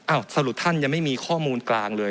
สรุปท่านยังไม่มีข้อมูลกลางเลย